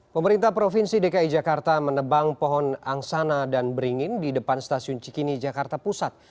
pemerintah provinsi dki jakarta menebang pohon angsana dan beringin di depan stasiun cikini jakarta pusat